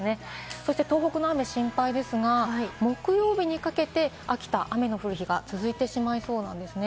そして東北の雨、心配ですが、木曜日にかけて秋田、雨の降る日が続いてしまいそうなんですね。